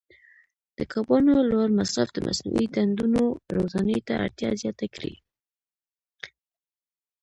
د کبانو لوړ مصرف د مصنوعي ډنډونو روزنې ته اړتیا زیاته کړې.